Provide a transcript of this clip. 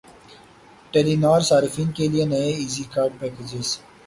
ٹیلی نار صارفین کے لیے نئے ایزی کارڈ پیکجز